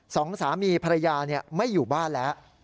สองสามีภรรยาไม่อยู่บ้านแล้ว